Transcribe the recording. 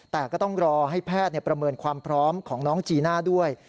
แต่ก็ต้องรอให้แพทย์ประเมินความพร้อมของน้องจีน่าด้วย